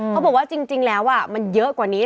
เขาบอกว่าจริงแล้วมันเยอะกว่านี้